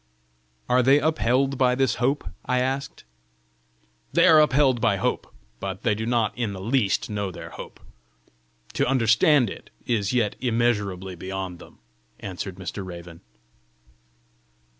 "Are they upheld by this hope?" I asked. "They are upheld by hope, but they do not in the least know their hope; to understand it, is yet immeasurably beyond them," answered Mr. Raven.